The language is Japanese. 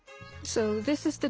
そうですね。